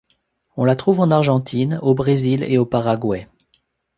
On la trouve en Argentine, au Brésil et au Paraguay.